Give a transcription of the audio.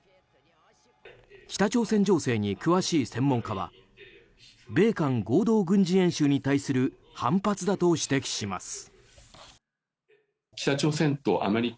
北朝鮮情勢に詳しい専門家は米韓合同軍事演習に対する反発だと指摘します。